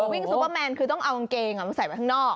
ซุปเปอร์แมนคือต้องเอากางเกงมาใส่ไว้ข้างนอก